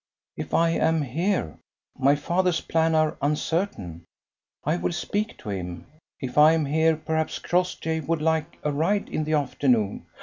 "If I am here. My father's plans are uncertain. I will speak to him. If I am here, perhaps Crossjay would like a ride in the afternoon."